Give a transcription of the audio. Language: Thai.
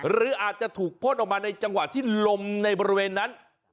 หรืออาจจะถูกพ่นออกมาในจังหวะที่ลมในบริเวณนั้น